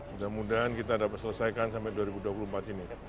mudah mudahan kita dapat selesaikan sampai dua ribu dua puluh empat ini